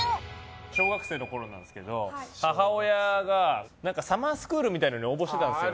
小学生のころなんですけど母親がサマースクールみたいなのに応募したんですよ。